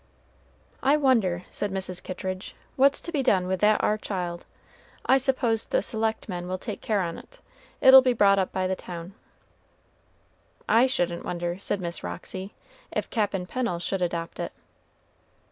"I wonder," said Mrs. Kittridge, "what's to be done with that ar child. I suppose the selectmen will take care on't; it'll be brought up by the town." "I shouldn't wonder," said Miss Roxy, "if Cap'n Pennel should adopt it."